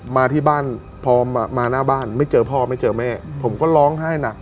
มาที่บ้านพอมาหน้าบ้านไม่เจอพ่อไม่เจอแม่ผมก็ร้องไห้หนัก